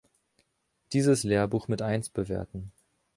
dieses Lehrbuch mit Eins bewerten